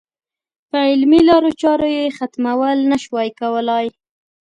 په علمي لارو چارو یې ختمول نه شوای کولای.